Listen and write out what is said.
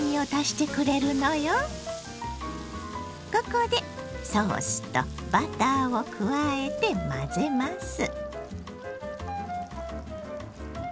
ここでソースとバターを加えて混ぜます。